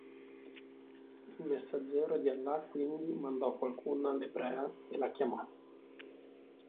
Il Messaggero di Allah quindi mandò qualcuno all'ebrea e la chiamò.